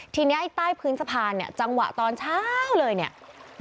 ทีนี้ไอ้ใต้พื้นสะพานเนี่ยจังหวะตอนเช้าเลยเนี่ย